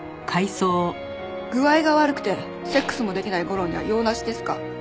「具合が悪くてセックスもできない吾良には用なしですか？」